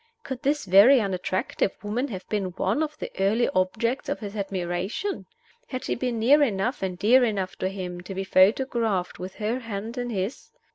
Could this very unattractive woman have been one of the early objects of his admiration? Had she been near enough and dear enough to him to be photographed with her hand in his?